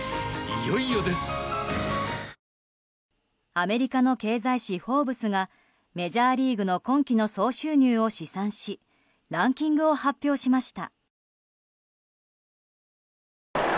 アメリカの経済誌「フォーブス」がメジャーリーグの今季の総収入を試算しランキングを発表しました。